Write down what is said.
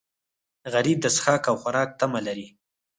غریب د څښاک او خوراک تمه لري